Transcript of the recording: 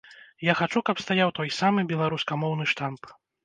Я хачу, каб стаяў той самы беларускамоўны штамп.